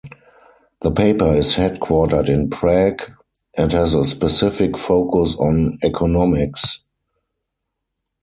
The paper is headquartered in Prague and has a specific focus on economics.